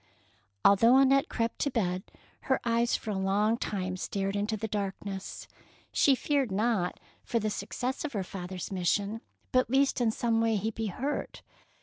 Although Annette crept to bed, her eyes for a long time stared into the darkness. She feared, not for the suc 204 . THE PEARL NECKLACE cess of her father's mission, but lest in some way he be hurt.